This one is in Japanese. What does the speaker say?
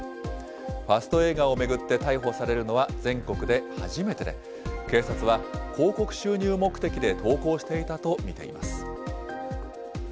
ファスト映画を巡って逮捕されるのは全国で初めてで、警察は、広告収入目的で投稿していたと見ています。